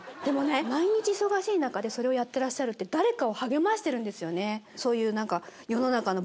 でもね毎日忙しい中でそれをやってらっしゃるって誰かを励ましてるんですよねそういう何か。